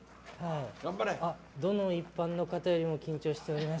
どの一般の方よりも緊張しております。